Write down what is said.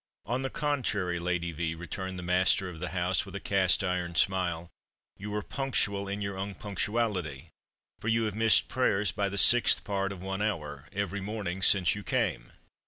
"On the contrary, Lady V " returned the master of the house, with a cast iron smile, "you are punctual in your unpunctuality; for you have missed prayers by the sixth part of one hour, every morning since you came."